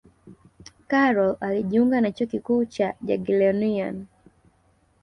karol alijiunga na chuo kikuu cha jagiellonian